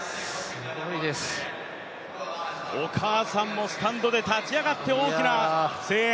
お母さんもスタンドで立ち上がって大きな声援。